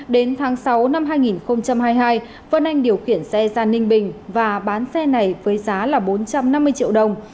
đến tháng sáu năm hai nghìn hai mươi hai vân anh điều khiển xe ra ninh bình và bán xe này với giá là bốn trăm năm mươi triệu đồng